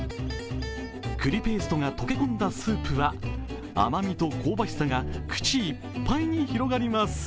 くりペーストが溶け込んだスープは甘みと香ばしさが口いっぱいに広がります。